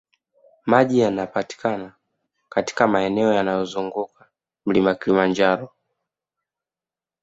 Maji yanapatikana katika maeneo yanayozunguka mlima kilimanjaro